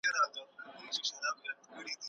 ایا تکړه پلورونکي وچه مېوه صادروي؟